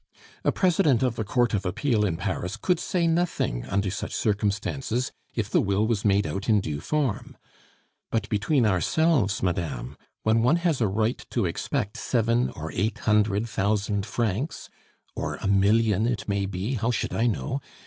A President of the Court of Appeal in Paris could say nothing under such circumstances if the will was made out in due form. But between ourselves, madame, when one has a right to expect seven or eight hundred thousand francs or a million, it may be (how should I know?)